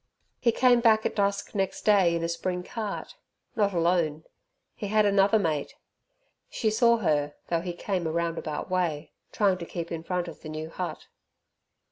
He came back at dusk next day in a spring cart not alone he had another mate. She saw her though he came a roundabout way, trying to keep in front of the new hut.